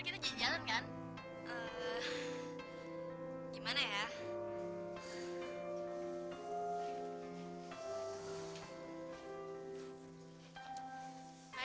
kita jalan kan gimana ya